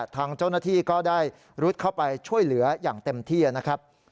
ทางเจ้าหน้าที่ก็ได้รุดเข้าไปช่วยเหลืออย่างเต็มที่นะครับ